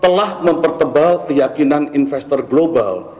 telah mempertebal keyakinan investor global